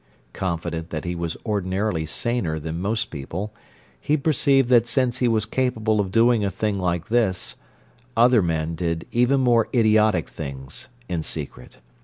Confident that he was ordinarily saner than most people, he perceived that since he was capable of doing a thing like this, other men did even more idiotic things, in secret.